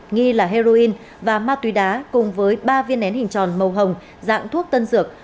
nghi là heroin và ma túy đá cùng với ba viên nén hình tròn màu hồng dạng thuốc tân dược